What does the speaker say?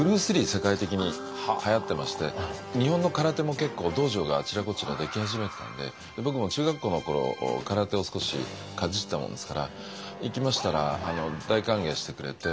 世界的にはやってまして日本の空手も結構道場があちらこちら出来始めてたんで僕も中学校の頃空手を少しかじったもんですから行きましたら大歓迎してくれて。